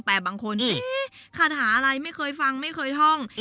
แต่บางคนคาถาอะไรไม่เคยฟังไม่เคยท่อง